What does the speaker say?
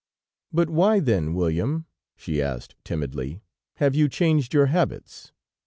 "But why, then, William," she asked, timidly, "have you changed your habits?"